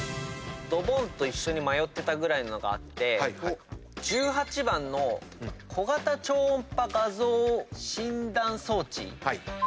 ドボンと一緒に迷ってたぐらいのがあって１８番の小型超音波画像診断装置。